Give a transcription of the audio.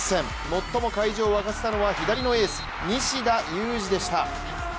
最も会場を沸かせたのは左のエース・西田有志でした。